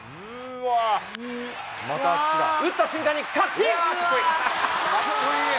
打った瞬間に確信。